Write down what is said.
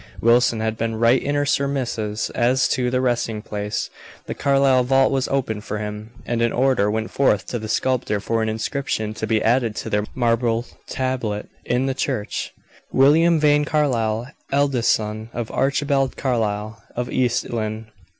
Wilson had been right in her surmises as to the resting place. The Carlyle vault was opened for him, and an order went forth to the sculptor for an inscription to be added to their marble tablet in the church: "William Vane Carlyle, eldest son of Archibald Carlyle, of East Lynne."